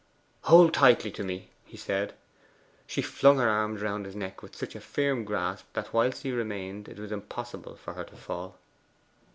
'Hold tightly to me,' he said. She flung her arms round his neck with such a firm grasp that whilst he remained it was impossible for her to fall.